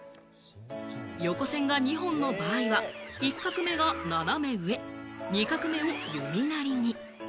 横線が２本の場合は１画目が斜め上、２画目を弓なりに。